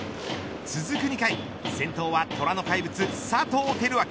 続く２回先頭は虎の怪物、佐藤輝明。